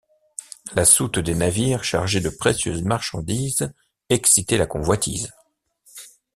La soute des navires chargés de précieuses marchandises excitait la convoitise.